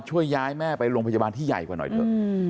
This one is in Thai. ช่วยย้ายแม่ไปโรงพยาบาลที่ใหญ่กว่าหน่อยเถอะ